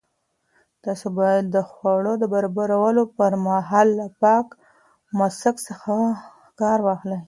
تاسو باید د خوړو د برابرولو پر مهال له پاک ماسک څخه کار واخلئ.